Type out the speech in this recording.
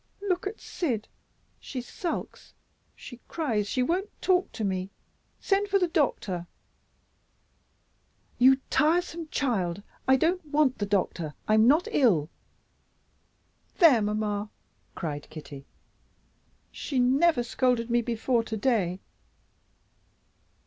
"Look at Syd! She sulks; she cries; she won't talk to me send for the doctor." "You tiresome child, I don't want the doctor. I'm not ill." "There, mamma!" cried Kitty. "She never scolded me before to day."